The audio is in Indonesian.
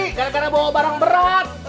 gak ada bawa barang berat